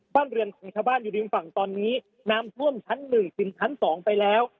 บ้านเรือนของชาวบ้านอยู่ริมฝั่งตอนนี้น้ำท่วมชั้น๑ถึงชั้น๒ไปแล้ว